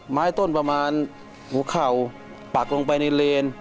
ไม้ต้นประมาณหัวเข่าปักลงไปในเลน